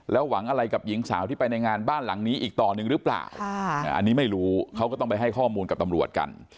หวังอะไรกับหญิงสาวที่ไปในงานบ้านหลังนี้อีกต่อหนึ่งหรือเปล่าอันนี้ไม่รู้เขาก็ต้องไปให้ข้อมูลกับตำรวจกัน